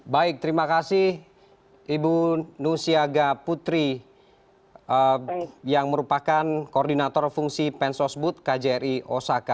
baik terima kasih ibu nusiaga putri yang merupakan koordinator fungsi pensosbud kjri osaka